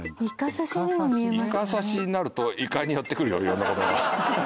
イカ刺しになるとイカに寄ってくるよ色んな事が。